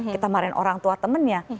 kita marahin orang tua temannya